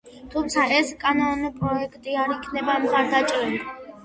თუმცა ეს კანონპროექტი არ იქნა მხარდაჭერილი.